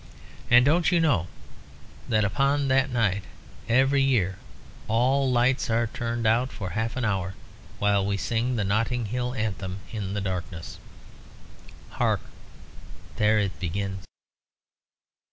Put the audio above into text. And don't you know that upon that night every year all lights are turned out for half an hour while we sing the Notting Hill anthem in the darkness? Hark! there it begins."